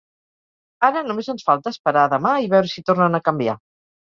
Ara només ens falta esperar a demà i veure si tornen a canviar.